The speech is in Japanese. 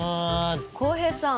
浩平さん。